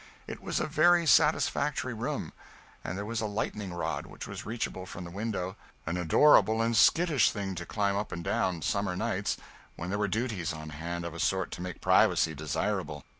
It was a very satisfactory room; and there was a lightning rod which was reachable from the window, an adorable and skittish thing to climb up and down, summer nights, when there were duties on hand of a sort to make privacy desirable.